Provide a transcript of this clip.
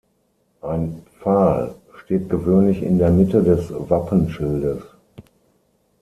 Ein Pfahl steht gewöhnlich in der Mitte des Wappenschildes.